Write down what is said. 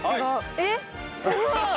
えっすごい！